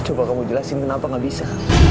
coba kamu jelasin kenapa gak bisa